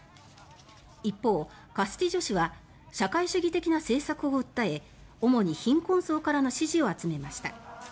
一方、カスティジョ氏は社会主義的な政策を訴え主に貧困層からの支持を集めました。